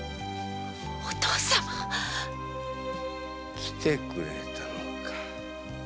お父様来てくれたのか。